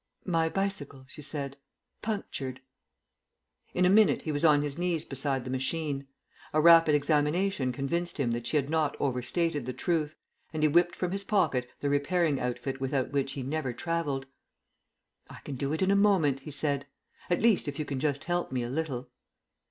"My bicycle," she said; "punctured." In a minute he was on his knees beside the machine. A rapid examination convinced him that she had not over stated the truth, and he whipped from his pocket the repairing outfit without which he never travelled. "I can do it in a moment," he said. "At least, if you can just help me a little."